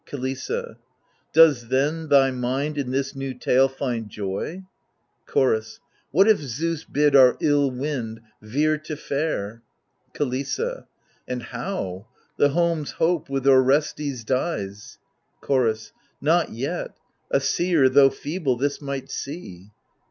^ KiLISSA Does then thy mind in this new tale find joy ? Chorus What if Zeus bid our ill wind veer to fair ? KiLISSA And how ? the home's hope with Orestes dies. Chorus Not yet — a seer, though feeble, this might see.